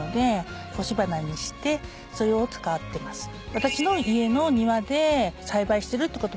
私の家の庭で栽培してるってこともあります